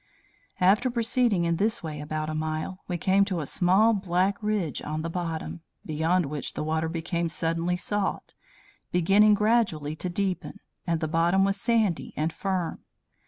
After proceeding in this way about a mile, we came to a small black ridge on the bottom, beyond which the water became suddenly salt, beginning gradually to deepen, and the bottom was sandy and firm.